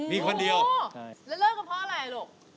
สวัสดีครับ